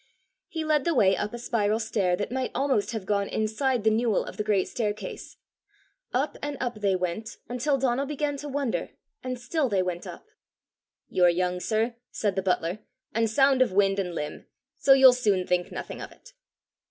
He led the way up a spiral stair that might almost have gone inside the newel of the great staircase. Up and up they went, until Donal began to wonder, and still they went up. "You're young, sir," said the butler, "and sound of wind and limb; so you'll soon think nothing of it."